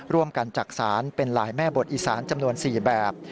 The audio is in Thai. ร่วมกันจากสารเป็นหลายแม่บทอิสารจำนวน๔แบบ